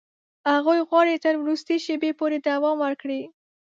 هغوی غواړي تر وروستي شېبې پورې دوام ورکړي.